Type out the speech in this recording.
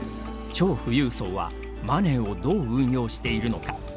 超富裕層はマネーをどう運用しているのか。